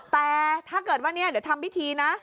แต่ถ้าเกิดว่าเนี่ยเดี๋ยวทำพิธีนะ